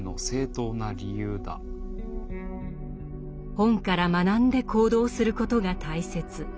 本から学んで行動することが大切。